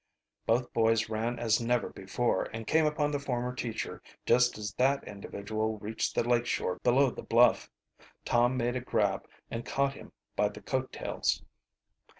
Both boys ran as never before, and came upon the former teacher just as that individual reached the lake shore below the bluff. Tom made a grab and caught him by the coat tails.